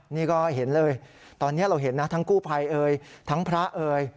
นี่ก็เห็นเลยตอนนี้เราเห็นนะทั้งกู้ภัยเอ่ยทั้งพระเอ่ย